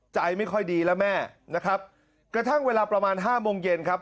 ใจไม่ค่อยดีแล้วแม่นะครับกระทั่งเวลาประมาณห้าโมงเย็นครับ